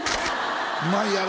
うまいやろ？